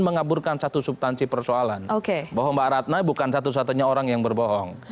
mengaburkan satu subtansi persoalan bahwa mbak ratna bukan satu satunya orang yang berbohong